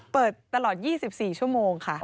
เปิดตลอด๒๔ชั่วโมงค่ะ